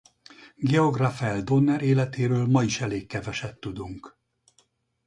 Georg Raphael Donner életéről ma is elég keveset tudunk.